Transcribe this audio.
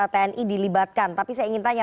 tni dilibatkan tapi saya ingin tanya